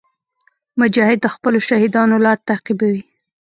مجاهد د خپلو شهیدانو لار تعقیبوي.